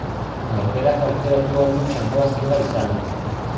Norberak aukeratu ahal du txangoa zenbat zaildu.